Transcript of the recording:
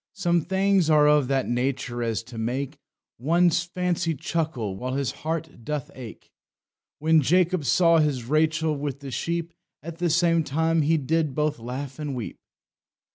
Some things are of that nature as to make One's fancy chuckle while his heart doth ake. When Jacob saw his Rachel with the sheep, At the same time he did both laugh and weep."